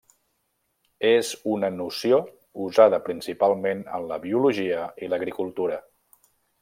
És una noció usada principalment en la biologia i l'agricultura.